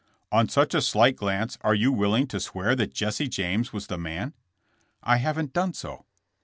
"On such a slight glance are you willing to swear that Jesse James was the man?" "I haven't done so."